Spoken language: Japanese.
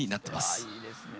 うわいいですね。